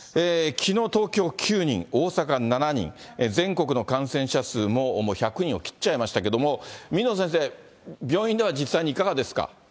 きのう東京９人、大阪７人、全国の感染者数も１００人を切っちゃいましたですけれども、水野先生、病院では実際にいかがです